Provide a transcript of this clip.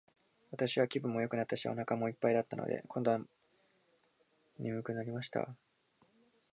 私は気分もよくなったし、お腹も一ぱいだったので、今度は睡くなりました。